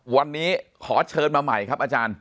วันนี้ขอเชิญมาใหม่ครับอาจารย์